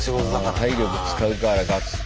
体力使うからガツッと。